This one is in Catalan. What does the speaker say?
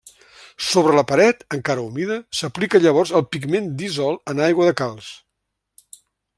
Sobre la paret, encara humida, s'aplica llavors el pigment dissolt en aigua de calç.